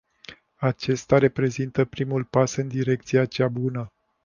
Acesta reprezintă primul pas în direcția cea bună.